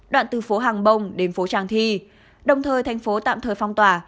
đoạn từ phố hàng bông đến phố tràng thi đồng thời thành phố tạm thời phong tỏa